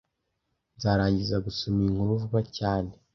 Nzarangiza gusoma iyi nkuru vuba cyane